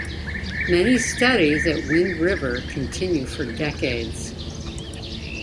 Many studies at Wind River continue for decades.